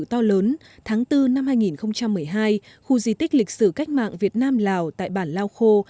to lớn tháng bốn năm hai nghìn một mươi hai khu di tích lịch sử cách mạng việt nam lào tại bản lao khô